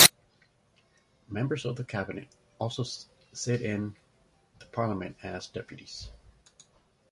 Members of the cabinet also sit in the parliament as deputies.